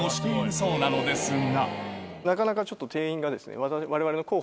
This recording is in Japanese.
そうなんですよ。